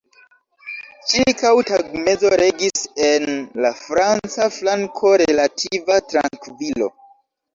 Ĉirkaŭ tagmezo regis en la franca flanko relativa trankvilo.